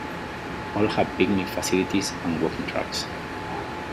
All have picnic facilities and walking tracks.